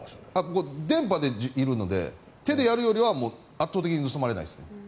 電波でやるので手でやるよりは圧倒的に盗まれないです。